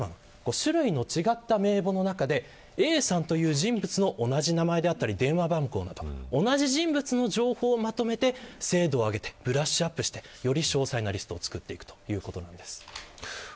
種類の違った名簿の中でＡさんという人物の同じで名前であったり電話番号同じ情報をまとめて精度を上げてより詳細なリストを作っていくということなんです。